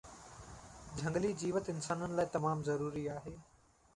جهنگلي جيوت انسانن لاءِ تمام ضروري آهي